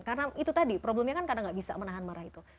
karena itu tadi problemnya kan karena nggak bisa menahan marah itu